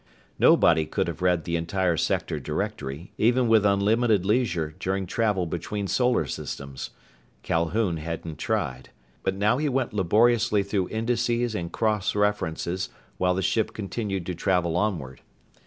Nobody could have read the entire Sector directory, even with unlimited leisure during travel between solar systems. Calhoun hadn't tried. But now he went laboriously through indices and cross references while the ship continued to travel onward.